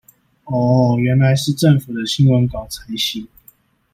喔喔原來是政府的新聞稿才行